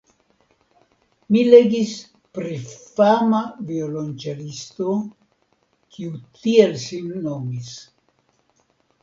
Mi legis pri fama violonĉelisto, kiu tiel sin nomis.